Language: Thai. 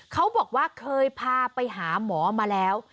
เขาบอกว่าเคยพาไปหาหมอมาแล้ว